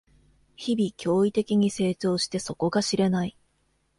日々、驚異的に成長して底が知れない